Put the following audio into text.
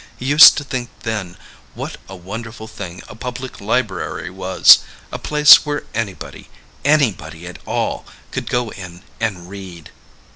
He used to think then, what a wonderful thing a public library was, a place where anybody, anybody at all could go in and read.